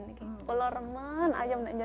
saya sudah lama saja belajar